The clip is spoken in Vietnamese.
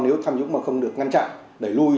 nếu tham nhũng mà không được ngăn chặn đẩy lùi